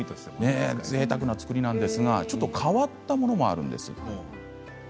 ぜいたくな作りなんですがちょっと変わったものもあるんです。